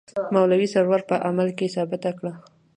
مولوي سرور په عمل کې ثابته کړه.